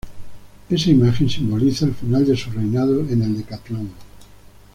Esa imagen simbolizaba el final de su reinado en el decatlón.